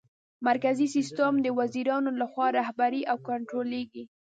مرکزي سیسټم د وزیرانو لخوا رهبري او کنټرولیږي.